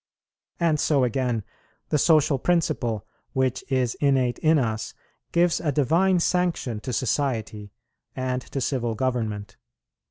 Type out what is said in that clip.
And so again, the social principle, which is innate in us, gives a divine sanction to society and to civil government.